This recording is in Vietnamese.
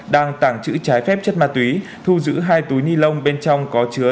đang tàng trữ trái phép chất ma túy thu giữ hai túi ni lông bên trong có chứa